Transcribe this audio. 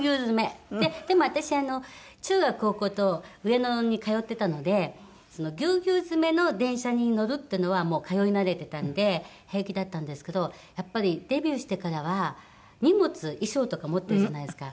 でも私中学高校と上野に通ってたのでぎゅうぎゅう詰めの電車に乗るっていうのはもう通い慣れてたので平気だったんですけどやっぱりデビューしてからは荷物衣装とか持ってるじゃないですか。